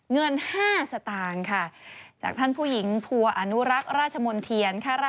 เงื่อนห้าสตางค์จากท่านผู้หญิงผัวอนุรักษ์ราชมนทิียน